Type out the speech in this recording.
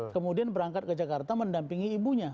kemudian berangkat ke jakarta mendampingi ibunya